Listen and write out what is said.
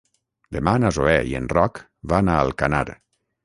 Demà na Zoè i en Roc van a Alcanar.